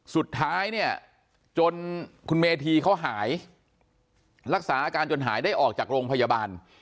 สุดท้ายเนี่ยจนคุณเมธีเขาหายรักษาอาการจนหายได้ออกจากโรงพยาบาล